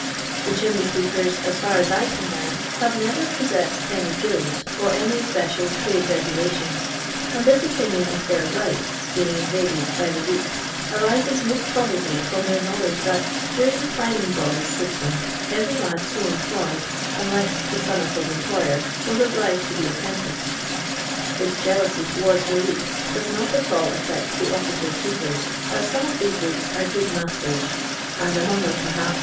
The chimney B weepers, as far as I can leani, have never pos sessed any guild, or any especial trade regulations, and this vpiuinn of their riulits being invaded by the leeks arises most probiibly from their know leduc that during the climbing boy system every lad so employed, unl^ssi the son of his employer, was obliged to be a]iprenticed. This jcjilousy towards the h'eks does not at all afl'ectthe operative swwperji.as some ot these leeks are good master;*, and among them, {K rhaps.